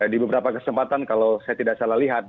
di beberapa kesempatan kalau saya tidak salah lihat